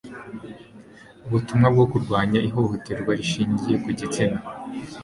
ubutumwa bwo kurwanya ihohoterwa rishingiye ku gitsina